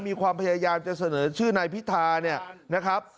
มีความพยายามจะเสนอชื่อนายพิธาเนี่ยนะครับ